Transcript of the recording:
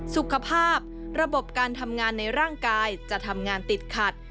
สุขภาพระบบการทำงานในร่างกายจะทำงานติดขัด